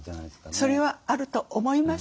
それはあると思います。